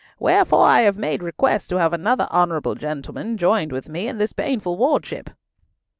Wherefore I have made request to have another honourable gentleman joined with me in this painful wardship."